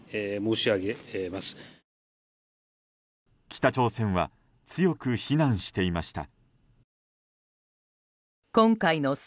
北朝鮮は強く非難していました。